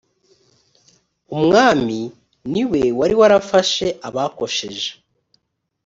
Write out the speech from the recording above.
umwami ni we wari warafashe abakosheje.